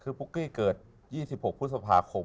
คือปุ๊กกี้เกิด๒๖พฤษภาคม